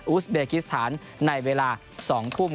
อุสเบกิสถานในเวลา๒ทุ่ม